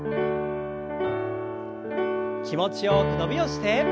気持ちよく伸びをして。